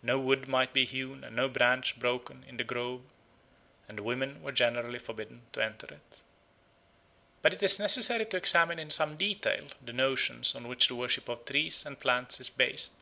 No wood might be hewn and no branch broken in the grove, and women were generally forbidden to enter it. But it is necessary to examine in some detail the notions on which the worship of trees and plants is based.